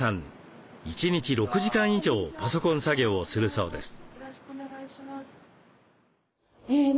１日６時間以上パソコン作業をするそうです。